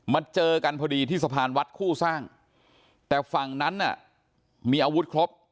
เจอกันพอดีที่สะพานวัดคู่สร้างแต่ฝั่งนั้นน่ะมีอาวุธครบ